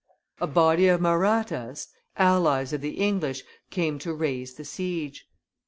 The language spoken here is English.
A body of Mahrattas, allies of the English, came to raise the siege.